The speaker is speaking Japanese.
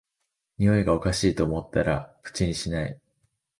においがおかしいと思ったら口にしない